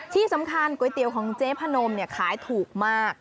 ที่สำคัญก๋วยเตี๋ยวของเจ๊พนมเนี่ยขายถูกมาก